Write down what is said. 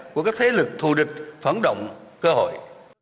của các thế lực thù địch phản động cơ hội